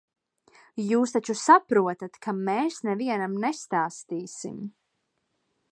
Jūs taču saprotat, ka mēs nevienam nestāstīsim.